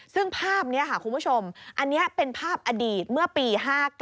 ซึ่งภาพนี้ค่ะคุณผู้ชมอันนี้เป็นภาพอดีตเมื่อปี๕๙